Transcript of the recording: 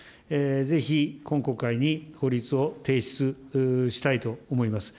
ぜひ、今国会に法律を提出したいと思います。